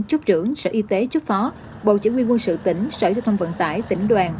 trúc trưởng sở y tế trúc phó bộ trưởng nguyên quân sự tỉnh sở thông vận tải tỉnh đoàn